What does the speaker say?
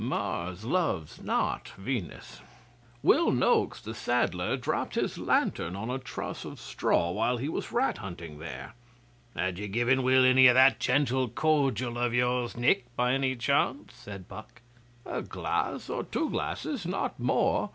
Mars loves not Venus. Will Noakes the saddler dropped his lantern on a truss of straw while he was rat hunting there.' 'Had ye given Will any of that gentle cordial of yours, Nick, by any chance?' said Puck. 'A glass or two glasses not more.